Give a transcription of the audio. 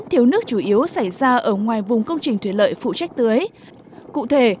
thiếu nước chủ yếu xảy ra ở ngoài vùng công trình thủy lợi phụ trách tưới cụ thể